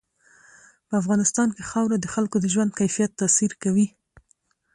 په افغانستان کې خاوره د خلکو د ژوند کیفیت تاثیر کوي.